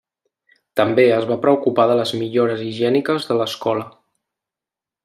També es va preocupar de les millores higièniques de l'Escola.